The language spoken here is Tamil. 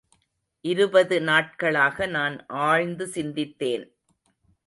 இருபது நாட்களாக நான் ஆழ்ந்து சிந்தித்தேன்.